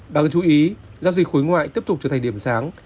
đáng chú ý giao dịch khối ngoại tiếp tục trở thành điểm sáng